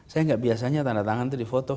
saya nggak biasanya tanda tangan itu di foto